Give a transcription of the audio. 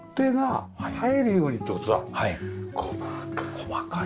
細かい。